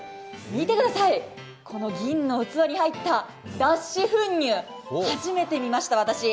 見てください、銀の器に入った脱脂粉乳、初めて見ました、私。